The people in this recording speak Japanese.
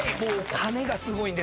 種がすごいんです。